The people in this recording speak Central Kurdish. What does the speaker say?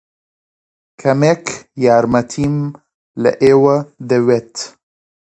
کەمێک یارمەتیم لە ئێوە دەوێت.